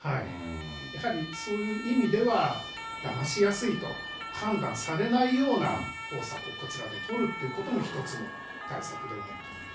やはりそういう意味では、だましやすいと判断されないような方策をこちらで取るというようなことも一つの対策ではあると思います。